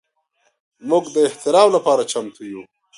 موږ د اختر لپاره چمتو یو.